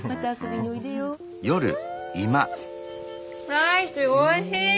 ライチおいしい。